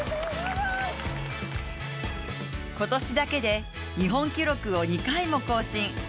今年だけで日本記録を２回も更新。